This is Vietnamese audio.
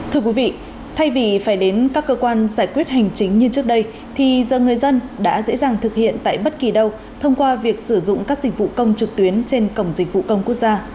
thưa quý vị thay vì phải đến các cơ quan giải quyết hành chính như trước đây thì giờ người dân đã dễ dàng thực hiện tại bất kỳ đâu thông qua việc sử dụng các dịch vụ công trực tuyến trên cổng dịch vụ công quốc gia